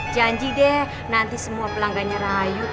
janji deh nanti semua pelanggannya rayu